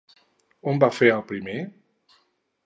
On va fer el primer?